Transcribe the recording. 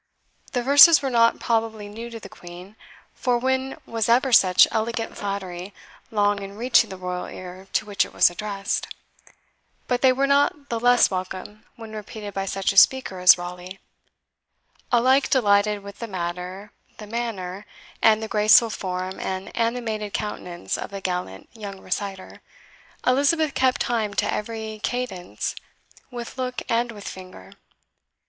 The verses were not probably new to the Queen, for when was ever such elegant flattery long in reaching the royal ear to which it was addressed? But they were not the less welcome when repeated by such a speaker as Raleigh. Alike delighted with the matter, the manner, and the graceful form and animated countenance of the gallant young reciter, Elizabeth kept time to every cadence with look and with finger.